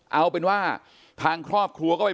เอาเป็นว่าทางครอบครัวก็ไป